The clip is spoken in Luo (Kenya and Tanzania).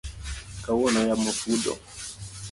Kawuono yamo fudho